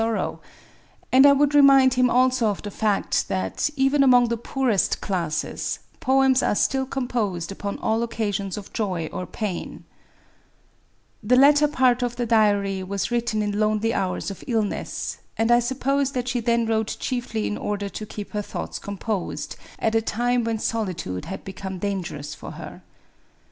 Digitized by Google 88 A WOMAN'S DIARY row; and I would remind him also of the fact that, even among the poorest classes, poems are still composed upon all occasions of joy or paint) The latter part of the diary was written in lonely hours of illness ; and I suppose that she then wrote chiefly in order to keep her thoughts com posed at a time when solitude had become dan gerous for her.